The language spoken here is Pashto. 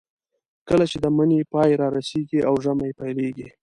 کله چې د مني پای رارسېږي او ژمی پیلېږي.